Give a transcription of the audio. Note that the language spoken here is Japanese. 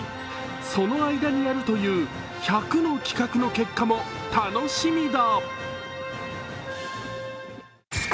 その間にやるという１００の企画の結果も楽しみだ。